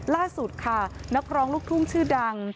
ล่าสุดค่ะนักร้องลูกทุ่งชื่อดัง